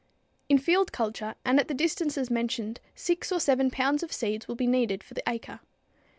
In field culture and at the distances mentioned six or seven pounds of seed will be needed for the acre.